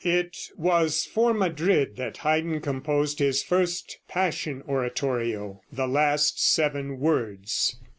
It was for Madrid that Haydn composed his first Passion oratorio, "The Last Seven Words."